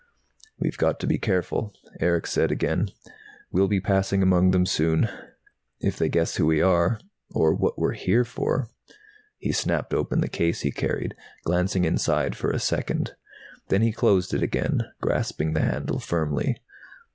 "We've got to be careful," Erick said again. "We'll be passing among them, soon. If they guess who we are, or what we're here for " He snapped open the case he carried, glancing inside for a second. Then he closed it again, grasping the handle firmly.